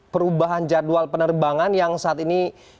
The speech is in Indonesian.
perubahan jadwal penerbangan yang saat ini